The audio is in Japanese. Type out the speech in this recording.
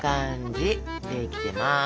できてます。